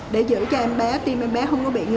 để giữ cho em bé tim em bé không có bị ngươi